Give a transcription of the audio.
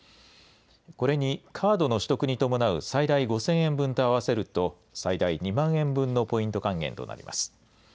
これにカードの取得に伴う最大５０００円分と合わせると、最大２万円分のポイント還元となります。